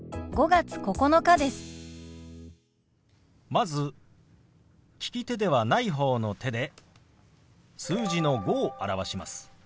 まず利き手ではない方の手で数字の「５」を表します。